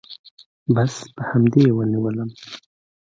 بس په همدې يې ونيولم.